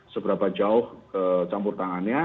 seberapa jauh campur tangannya